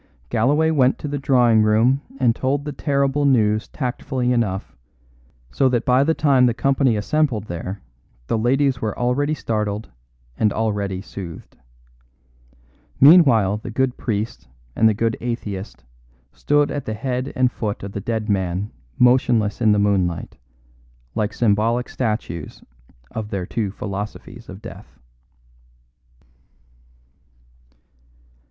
Galloway went to the drawing room and told the terrible news tactfully enough, so that by the time the company assembled there the ladies were already startled and already soothed. Meanwhile the good priest and the good atheist stood at the head and foot of the dead man motionless in the moonlight, like symbolic statues of their two philosophies of death.